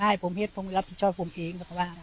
ให้ผมเฮ็ดผมรับผิดชอบผมเอง